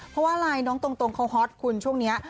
เพราะว่าอะไรน้องตรงเขาฮอตคุณช่วงนี้